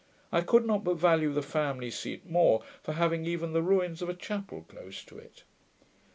I could not but value the family seat more, for having even the ruins of a chapel close to it.